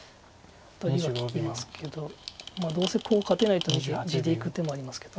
辺りは利きますけどどうせコウを勝てないと見て地でいく手もありますけど。